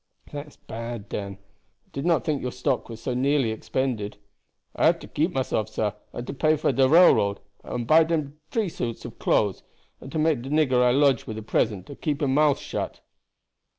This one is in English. "That is bad, Dan. I did not think your stock was so nearly expended." "I had to keep myself, sah, and to pay for de railroad, and to buy dem tree suits of clothes, and to make de nigger I lodged with a present to keep him mouth shut."